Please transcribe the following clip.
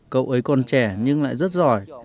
cậu ấy còn trẻ nhưng lại rất giỏi